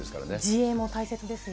自衛も大切ですね。